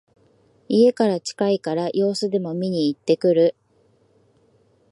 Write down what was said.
家から近いから様子でも見にいってくる